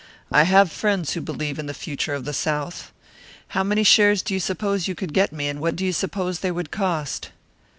I have friends who believe in the future of the South. How many shares do you suppose you could get me, and what do you suppose they would cost?"